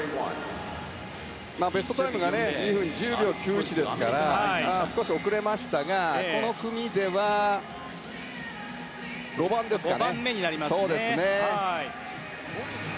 ベストタイムが２分１０秒９１ですから少し遅れましたがこの組では５番ですかね。